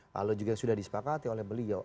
lalu juga sudah disepakati oleh beliau